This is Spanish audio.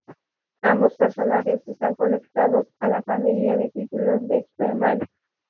Ambos personajes están conectados a la familia de títulos de "Superman".